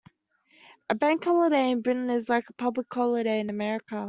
A Bank Holiday in Britain is like a public holiday in America